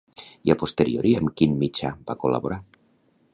I a posteriori amb quin mitjà va col·laborar?